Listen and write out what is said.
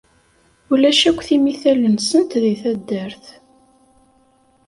Ulac akk timital-nsent di taddart.